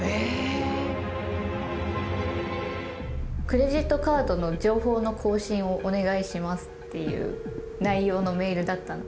クレジットカードの情報の更新をお願いしますっていう内容のメールだった。